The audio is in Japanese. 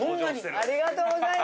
ありがとうございます。